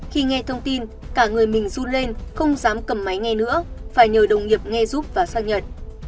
khi nghe thông tin cả người mình du lên không dám cầm máy ngay nữa phải nhờ đồng nghiệp nghe giúp và xác nhận